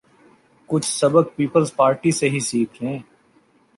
کچھ سبق پیپلزپارٹی سے ہی سیکھ لیں۔